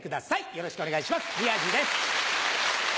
よろしくお願いします宮治です。